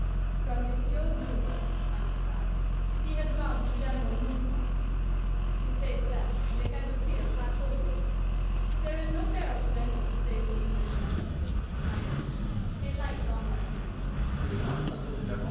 'From Monsieur Voban,' answered I. 'He has gone to General Montcalm.' His face fell, and a kind of fear passed over it. 'There is no peril to any one save the English gentleman,' I urged. A light dawned on him.